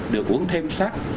được uống thêm sắc